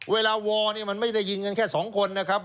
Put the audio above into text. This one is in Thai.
วอลเนี่ยมันไม่ได้ยิงกันแค่สองคนนะครับ